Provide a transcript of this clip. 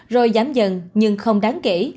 rồi giám dần nhưng không đáng kể